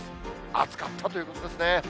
暑かったということですね。